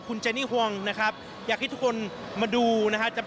คุณเจนี่ห่วงนะครับอยากให้ทุกคนมาดูนะครับ